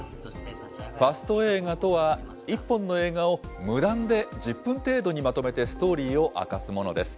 ファスト映画とは、１本の映画を無断で１０分程度にまとめてストーリーを明かすものです。